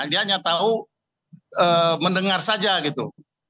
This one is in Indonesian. dia hanya tahu mendengar saja gitu